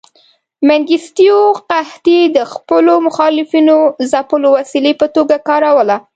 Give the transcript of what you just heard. منګیستیو قحطي د خپلو مخالفینو ځپلو وسیلې په توګه کاروله.